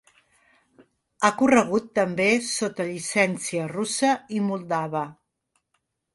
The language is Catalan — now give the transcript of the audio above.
Ha corregut també sota llicència russa i moldava.